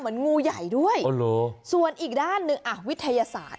เหมือนงูใหญ่ด้วยโอ้โหส่วนอีกด้านนึงอ่ะวิทยาศาสตร์